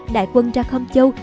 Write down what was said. đại quân ra khâm châu